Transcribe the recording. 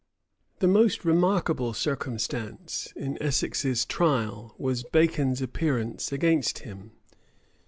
The most remarkable circumstance in Essex's trial was Bacon's appearance against him.